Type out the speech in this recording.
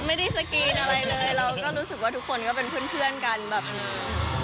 ไม่ได้สกรีนอะไรเลยเราก็รู้สึกว่าทุกคนก็เป็นเพื่อนเพื่อนกันแบบอืม